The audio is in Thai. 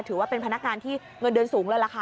ถือว่าเป็นพนักงานที่เงินเดือนสูงเลยล่ะค่ะ